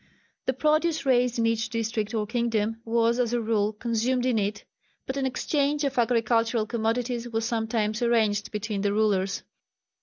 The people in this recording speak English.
The produce raised in each district or kingdom was as a rule consumed in it, but an exchange of agricultural commodities was sometimes arranged between the rulers.